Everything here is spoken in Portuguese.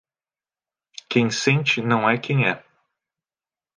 Quem sente não é quem é